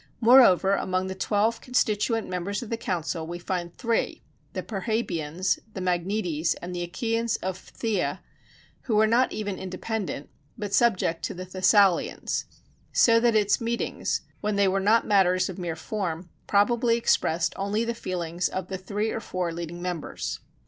Moreover, among the twelve constituent members of the council, we find three the Perrhæbians, the Magnetes, and the Achæans of Phthia who were not even independent, but subject to the Thessalians; so that its meetings, when they were not matters of mere form, probably expressed only the feelings of the three or four leading members.